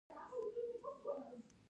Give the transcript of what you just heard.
مس د افغانستان د طبیعي زیرمو برخه ده.